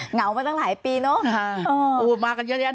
เหงามาตั้งหลายปีเนอะอ่าอู้มากันเยอะเนี้ย